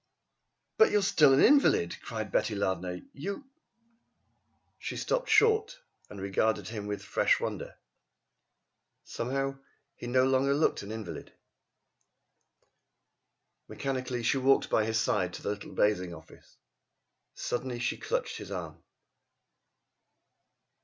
"But you are still an invalid," cried Betty Lardner. "You " She stopped short and regarded him with fresh wonder. Somehow he no longer looked an invalid. Mechanically she walked by his side to the little bathing office. Suddenly she clutched his arm.